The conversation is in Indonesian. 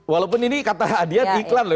walaupun ini kata hadiah iklan loh